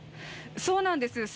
そうなんです